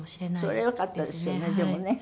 それはよかったですよねでもね。